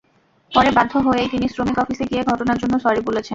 পরে বাধ্য হয়েই তিনি শ্রমিক অফিসে গিয়ে ঘটনার জন্য সরি বলেছেন।